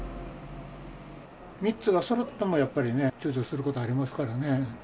３つがそろっても、やっぱりね、ちゅうちょすることありますからね。